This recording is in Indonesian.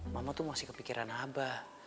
mama tuh masih kepikiran abah